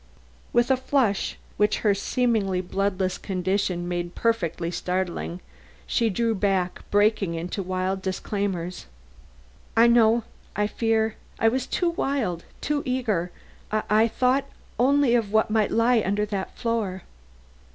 With a flush which her seemingly bloodless condition made perfectly startling, she drew back, breaking into wild disclaimers: "I know I fear I was too wild too eager. I thought only of what might lie under that floor."